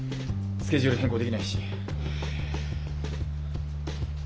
スケジュール変更できないし。